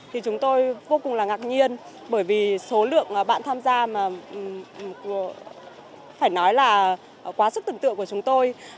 thì chúng tôi vô cùng là ngạc nhiên bởi vì số lượng bạn tham gia mà phải nói là quá sức tưởng tượng của chúng tôi